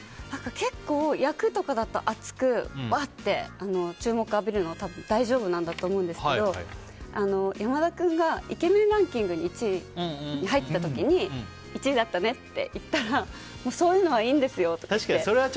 結構、役とかだと注目を浴びるのは大丈夫だと思うんですけど山田君がイケメンランキングに入ってた時に１位だったねって言ったらそういうのはいいんですよって。